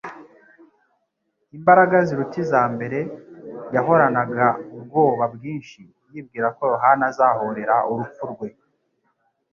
imbaraga ziruta iza mbere. Yahoranaga ubwoba bwinshi yibwira ko Yohana azahorera urupfu rwe.